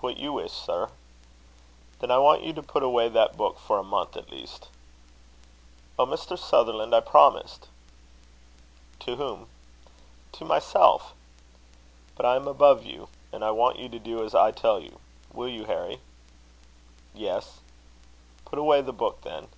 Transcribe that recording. "What you wish, sir." "Then I want you to put away that book for a month at least." "Oh, Mr. Sutherland! I promised." "To whom?" "To myself." "But I am above you; and I want you to do as I tell you. Will you, Harry?" "Yes." "Put away the book, then."